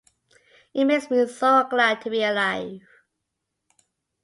It makes me so glad to be alive.